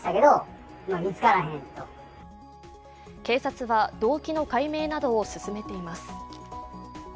警察は、動機の解明などを進めています。